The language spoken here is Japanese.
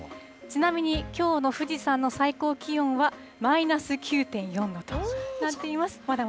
ちなみにきょうの富士山の最高気温はマイナス９．４度となっています。